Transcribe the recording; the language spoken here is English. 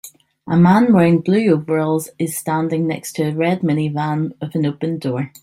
A man wearing blue overalls is standing next to a red minivan with an open door